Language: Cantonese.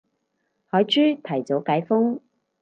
海珠提早解封